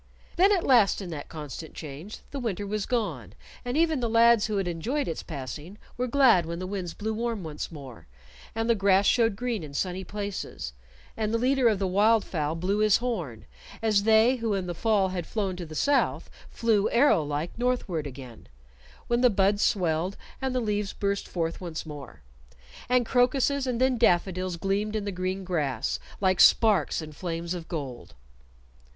Then at last in that constant change the winter was gone, and even the lads who had enjoyed its passing were glad when the winds blew warm once more, and the grass showed green in sunny places, and the leader of the wild fowl blew his horn, as they who in the fall had flown to the south flew, arrow like, northward again; when the buds swelled and the leaves burst forth once more, and crocuses and then daffodils gleamed in the green grass, like sparks and flames of gold.